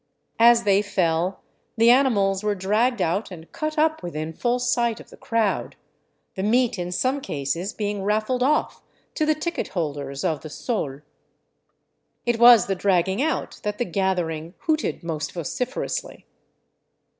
As they fell, the animals were dragged out and cut up within full sight of the crowd, the meat in some cases being raffled off to the ticket holders of the sol. It was the dragging out that the gathering hooted most vociferously.